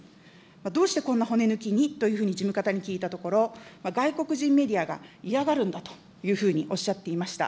どうしてこんな骨抜きにというふうに事務方に聞いたところ、外国人メディアが嫌がるんだというふうにおっしゃっていました。